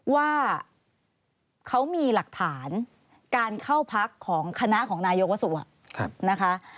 ว่าเขามีหลักฐานการเข้าพักของคณะของนายกวสุวะนะคะ